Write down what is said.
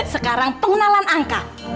sekarang pengenalan angka